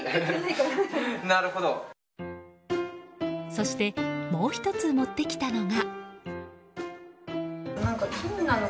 そしてもう１つ持ってきたのが。